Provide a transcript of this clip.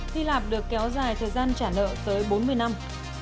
hy lạp được kéo dài thời gian trả nợ tới bốn mươi năm